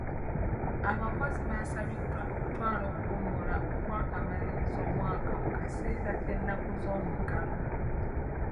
Abakozi baasabiddwa okutwala okuwummula okw'okumaliriza omwaka mu kaseera k'ennaku z'omuggalo.